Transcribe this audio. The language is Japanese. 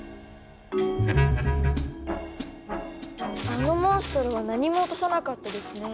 あのモンストロは何も落とさなかったですね。